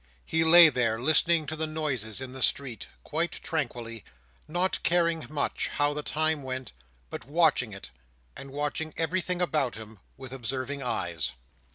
He lay there, listening to the noises in the street, quite tranquilly; not caring much how the time went, but watching it and watching everything about him with observing eyes.